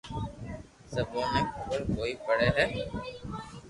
سبو ني تو خبر ڪوئي پڙي ھي